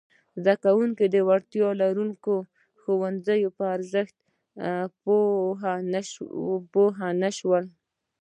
زده کوونکي د وړتیا لرونکي ښوونکي پر ارزښت پوه نه شول!